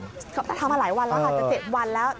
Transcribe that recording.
แต่ทำมาหลายวันแล้วค่ะจะ๗วันแล้ว